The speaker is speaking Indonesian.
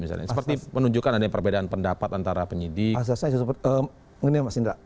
seperti menunjukkan ada perbedaan pendapat antara penyidik